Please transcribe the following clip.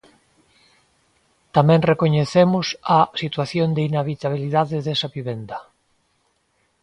Tamén recoñecemos a situación de inhabitabilidade desa vivenda.